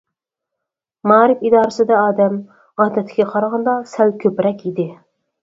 مائارىپ ئىدارىسىدە ئادەم ئادەتتىكىگە قارىغاندا سەل كۆپرەك ئىدى.